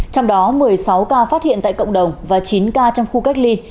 trong đó một mươi sáu ca phát hiện tại cộng đồng và chín ca trong khu cách ly